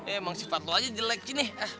emang sifat lu aja jelek sih nih